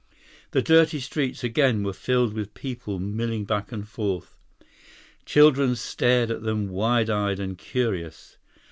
The dirty streets again were filled with people milling back and forth. Children stared at them wide eyed and curious.